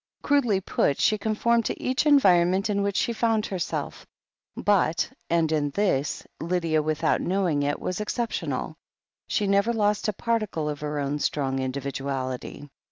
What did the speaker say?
Crudely put, she conformed to each environment in which she found herself, but — ^and in this, Lydia, with out knowing it, was exceptional — ^she never lost a particle of her own strong individuality.